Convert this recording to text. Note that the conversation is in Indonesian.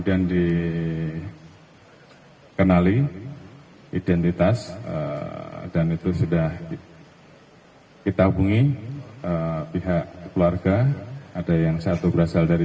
dikenali identitas dan itu sudah kita hubungi pihak keluarga ada yang satu berasal dari